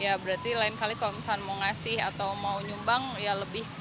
ya berarti lain kali kalau misalnya mau ngasih atau mau nyumbang ya lebih